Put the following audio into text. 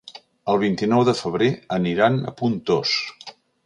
El vint-i-nou de febrer aniran a Pontós.